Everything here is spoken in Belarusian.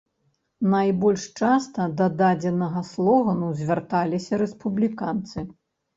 Найбольш часта да дадзенага слогану звярталіся рэспубліканцы.